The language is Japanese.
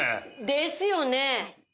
ですよね！